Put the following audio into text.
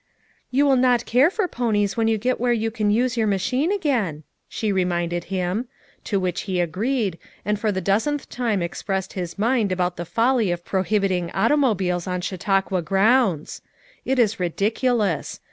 *'Tou will not care for ponies when you get where you can use your machine again," she reminded him; to which he agreed, and for the dozenth time expressed his mind about the folly of prohibiting automobiles on Chautauqua grounds. It was ridiculous!